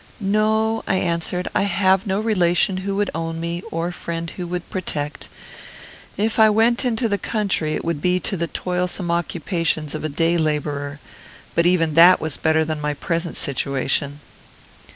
"No," I answered, "I have no relation who would own me, or friend who would protect. If I went into the country it would be to the toilsome occupations of a day labourer; but even that was better than my present situation."